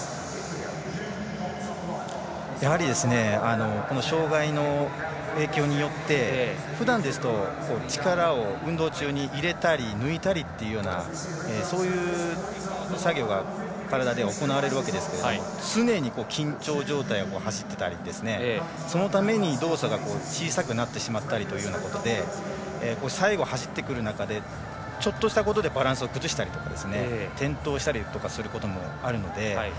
やはり、この障がいの影響によってふだんですと力を運動中に入れたり抜いたりっていうようなそういう作業が体では、行われるわけですが常に緊張状態が走っていたりそのために、動作が小さくなってしまったりということで最後、走ってくる中でちょっとしたことでバランスを崩したりとか転倒したりすることもあるので。